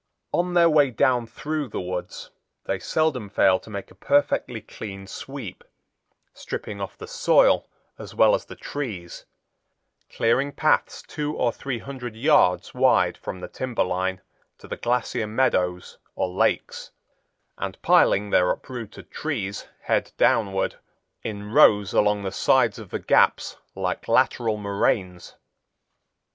On their way down through the woods they seldom fail to make a perfectly clean sweep, stripping off the soil as well as the trees, clearing paths two or three hundred yards wide from the timber line to the glacier meadows or lakes, and piling their uprooted trees, head downward, in rows along the sides of the gaps like lateral moraines.